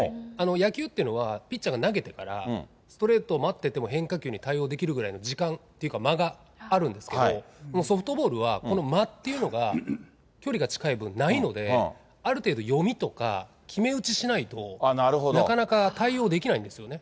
野球っていうのは、ピッチャーが投げてからストレートを待ってても変化球に対応できるぐらいの時間っていうか、間があるんですけど、でもソフトボールは、この間っていうのが、距離が近い分ないので、ある程度、読みとか、決め打ちしないと、なかなか対応できないんですよね。